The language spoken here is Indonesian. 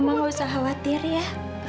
emang gak usah khawatir ya